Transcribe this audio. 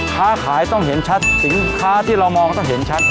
ค้าขายต้องเห็นชัดสินค้าที่เรามองต้องเห็นชัด